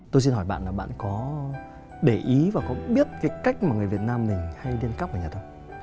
tôi xin hỏi bạn là bạn có để ý và có biết cái cách mà người việt nam mình hay liên cấp ở nhật không